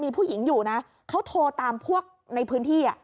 มีผู้หญิงอยู่นะเขาโทรตามพวกในพื้นที่